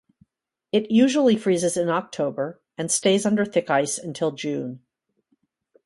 It usually freezes in October and stays under thick ice until June.